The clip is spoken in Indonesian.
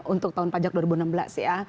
untuk tahun pajak dua ribu enam belas ya